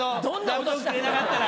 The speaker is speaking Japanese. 座布団くれなかったら。